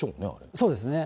そうですね。